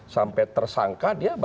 sampai tersangka dia berkekuatan